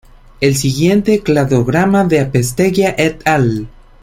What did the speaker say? El siguiente cladograma de Apesteguía "et al.